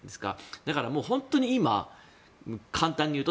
だから、本当に今、簡単に言うと